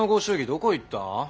どこいった？